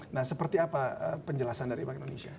nah seperti apa penjelasan dari bank indonesia